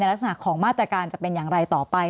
ลักษณะของมาตรการจะเป็นอย่างไรต่อไป